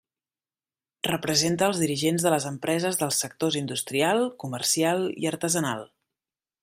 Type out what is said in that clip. Representa els dirigents de les empreses dels sectors industrial, comercial i artesanal.